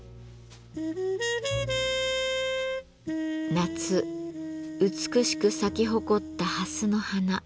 夏美しく咲き誇った蓮の花。